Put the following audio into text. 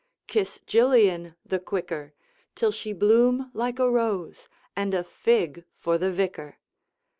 kiss Gillian the quicker, Till she bloom like a rose, and a fig for the vicar!